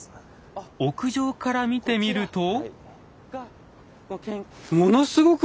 屋上から見てみると？